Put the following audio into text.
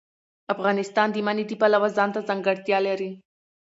افغانستان د منی د پلوه ځانته ځانګړتیا لري.